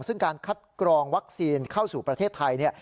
ซึ่งการคัดกรองวัคซีนเข้าสู่ประเทศไทยเนี่ย